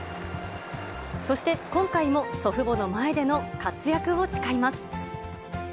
そして今回も祖父母の前での活躍を誓います。